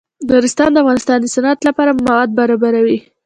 نورستان د افغانستان د صنعت لپاره مواد برابروي.